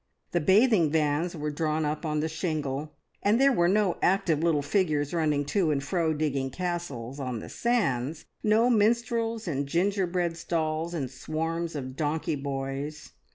The bathing vans were drawn up on the shingle, and there were no active little figures running to and fro digging castles on the sands, no nigger minstrels and gingerbread stalls and swarms of donkey boys.